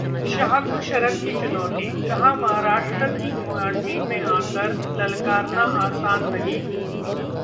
शाह को शरद की चुनौती, कहा- महाराष्ट्र की माटी में आकर ललकारना आसान नहीं